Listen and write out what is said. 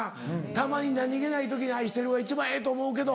たまに何げない時に「愛してる」が一番ええと思うけど。